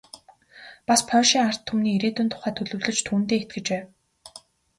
Бас польшийн ард түмний ирээдүйн тухай төлөвлөж, түүндээ итгэж байв.